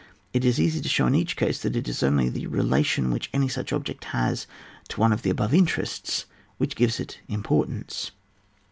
It is easy to show in each case that it is only the rela tion which any such object has to one of the above interests which gives it impor tance.